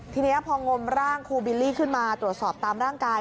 ทีนี้พองมร่างครูบิลลี่ขึ้นมาตรวจสอบตามร่างกาย